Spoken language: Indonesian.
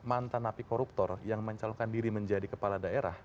mantan napi koruptor yang mencalonkan diri menjadi kepala daerah